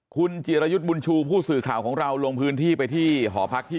คุณจิรยุทธ์บุญชูผู้สื่อข่าวของเราลงพื้นที่ไปที่หอพักที่